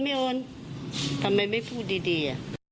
โอนทำไมไม่พูดดี